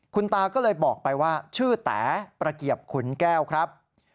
คุณตาก็เลยบอกไปว่าชื่อแต๋ประเกียบขุนแก้วครับ